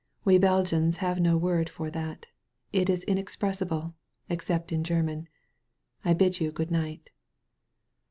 "We Belgians have no word for that. It is inexpressible — except in Grerman. I bid you good night."